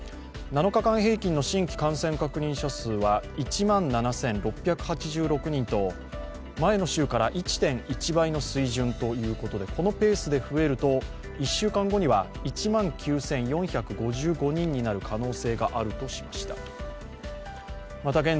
７日間平均の新規感染確認者数は１万７６８６人と前の週から１．１倍の水準ということでこのペースで増えると、１週間後には１万９４５５人になる可能性があるとしました。